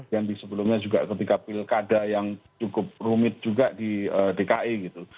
dan di sebelumnya juga ketika pilkada yang cukup rumit juga di dki gitu